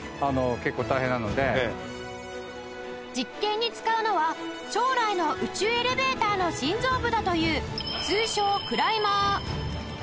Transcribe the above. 実験に使うのは将来の宇宙エレベーターの心臓部だという通称クライマー